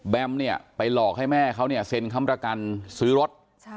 แบมไปหลอกให้แม่เขาเซ็นคำประกันซื้อรถ